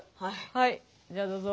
はいじゃあどうぞ。